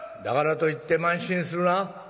「だからといって慢心するな」。